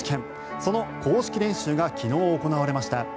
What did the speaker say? その公式練習が昨日、行われました。